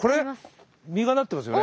実がなってますね。